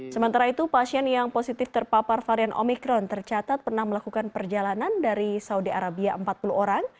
sementara itu pasien yang positif terpapar varian omikron tercatat pernah melakukan perjalanan dari saudi arabia empat puluh orang